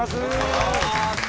お願いします！